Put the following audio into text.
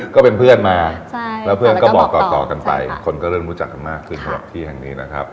ก็เป็นเพื่อนมาแล้วเพื่อนก็บอกต่อกันไปคนก็เริ่มรู้จักกันมากขึ้นสำหรับที่แห่งนี้นะครับ